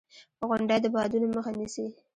• غونډۍ د بادونو مخه نیسي.